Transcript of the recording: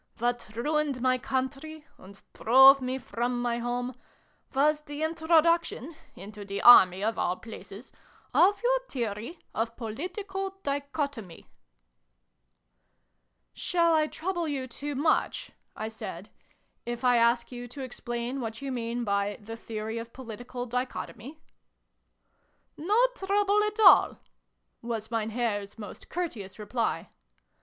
What ruined my country, and drove me from my home, was the introduction into the Army, of all places of your theory of Political Dichotomy !" xin] WHAT TOTTLES MEANT, 199 "Shall I trouble you too much," I said, "if I ask you to explain what you mean by ' the Theory of Political Dichotomy '?"" No trouble at all !" was Mein Herr's most courteous reply.